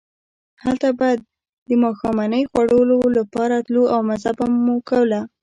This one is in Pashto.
هلته به د ماښامنۍ خوړلو لپاره تلو او مزه مو کوله.